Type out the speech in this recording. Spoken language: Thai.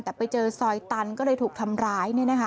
แต่ไปเจอซอยตันก็เลยถูกทำร้าย